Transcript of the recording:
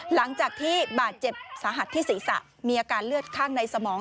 หลังจากที่บาดเจ็บสาหัสที่ศีรษะมีอาการเลือดข้างในสมอง